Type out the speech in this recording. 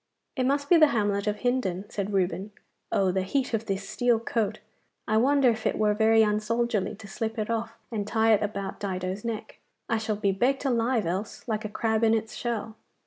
'It must be the hamlet of Hindon,' said Reuben. 'Oh, the heat of this steel coat! I wonder if it were very un soldierly to slip it off and tie it about Dido's neck. I shall be baked alive else, like a crab in its shell.